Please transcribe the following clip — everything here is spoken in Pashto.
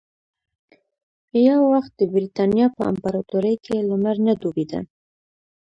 یو وخت د برېتانیا په امپراتورۍ کې لمر نه ډوبېده.